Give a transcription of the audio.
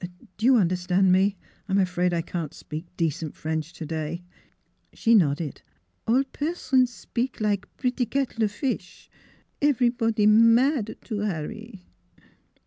... Do you understand me? I'm afraid I can't speak decent French today." She nodded. " All person spik like pretty kettle o' fish. Ev'ryboddie mad to 'Arry."